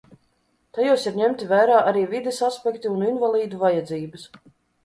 Tajos ir ņemti vērā arī vides aspekti un invalīdu vajadzības.